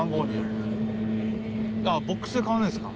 ああボックスで買わないですか。